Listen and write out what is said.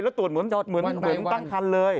แล้วตรวจเหมือนตั้งคันเลย